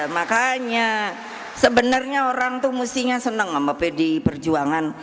makanya sebenarnya orang tuh mestinya senang sama pdi perjuangan